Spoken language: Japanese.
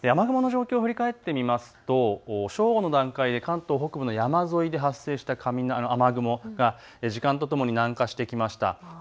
雨雲の状況を振り返ってみると正午の段階で関東北部の山沿いで発生した雨雲が時間とともに南下してきました。